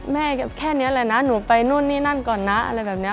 แค่นี้แหละนะหนูไปนู่นนี่นั่นก่อนนะอะไรแบบนี้